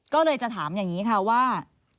ก็เลยจะถามอย่างนี้ค่ะว่า